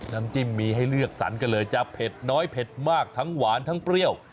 น้ำจิ้มมีให้เลือกสรรกันเลยจะเผ็ดน้อยเผ็ดมากทั้งหวานทั้งเปรี้ยว